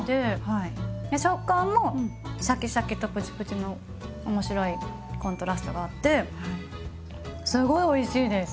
食感もシャキシャキとプチプチの面白いコントラストがあってすごいおいしいです！